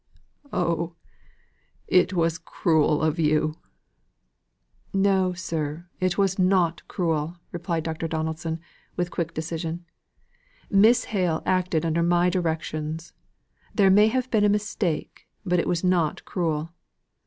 Oh, it was cruel of you!" "No, sir, it was not cruel!" replied Dr. Donaldson, with quick decision. "Miss Hale acted under my directions. There may have been a mistake, but it was not cruel.